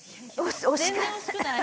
全然惜しくない。